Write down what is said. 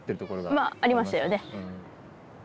まあありましたよね。